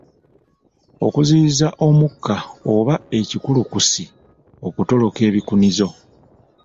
Okuziyiza omukka oba ekikulukusi okutoloka ebikunizo.